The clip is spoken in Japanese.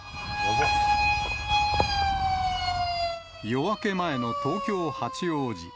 夜明け前の東京・八王子。